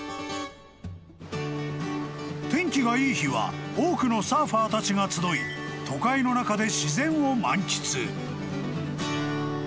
［天気がいい日は多くのサーファーたちが集い都会の中で］